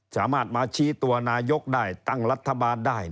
สามารถมาชี้ตัวนายกได้ตั้งรัฐบาลได้